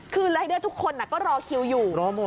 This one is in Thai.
คือรายเดอร์ทุกคนก็รอคิวอยู่รอหมด